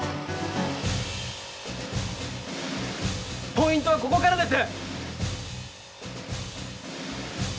ポイントはここからです。